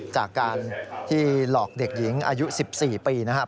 จากการที่หลอกเด็กหญิงอายุ๑๔ปีนะครับ